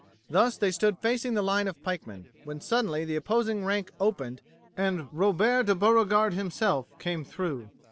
Thus they stood facing the line of pikemen, when suddenly the opposing rank opened and Robert de Beauregard himself came through.